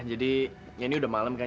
jadi ya ini udah malem kan